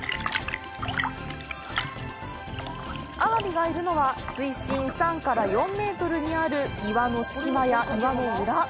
アワビがいるのは、水深３４メートルにある岩の隙間や岩の裏。